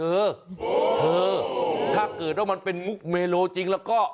เธอเธอถ้าเกิดว่ามันเป็นมุกเมโลจริงแล้วก็